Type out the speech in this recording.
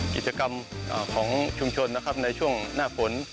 กิจกรรมของชุมชนนะครับในช่วงหน้าฝน